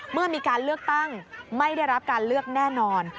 เมื่อมีการเลือกตั้งไม่ได้รับการเลือกแน่นอน